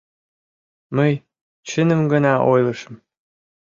Мый чыным гына ойлышым.